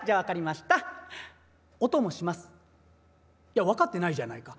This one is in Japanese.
「いや分かってないじゃないか。